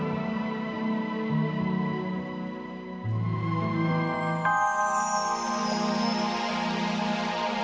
jadi abang bisa mempergunakannya untuk mengaji